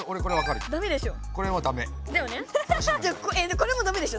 これもダメでしょ